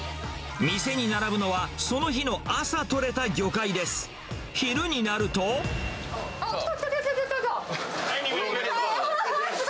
店に並ぶのは、その日の朝取れた魚介です。